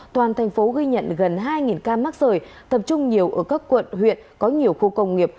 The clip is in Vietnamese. toàn thành phố ghi nhận gần hai ca mắc sởi tập trung nhiều ở các quận huyện có nhiều khu công nghiệp